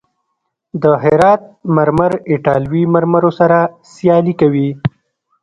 د هرات مرمر ایټالوي مرمرو سره سیالي کوي.